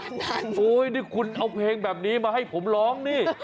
โอ้โหนี่คุณเอาเพลงแบบนี้มาให้ผมร้องนี่